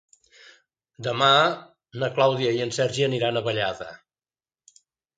Demà na Clàudia i en Sergi aniran a Vallada.